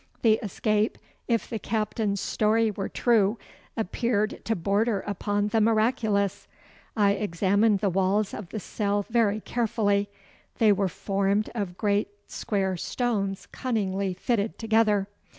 The escape, if the Captain's story were true, appeared to border upon the miraculous. I examined the walls of the cell very carefully. They were formed of great square stones cunningly fitted together.